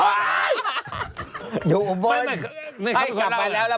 ร้องกลับมาแล้วอ่ะ